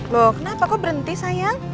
loh kenapa kok berhenti sayang